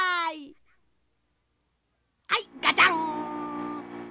はいガチャン！